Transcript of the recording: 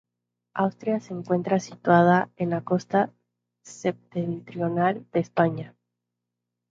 Asturias se encuentra situada en la costa septentrional de España.